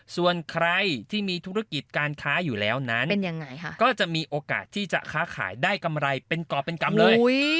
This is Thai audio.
ส่วนใครที่มีธุรกิจการค้าอยู่แล้วนั้นก็จะมีโอกาสที่จะค้าขายได้กำไรเป็นกรอบเป็นกรรมเลย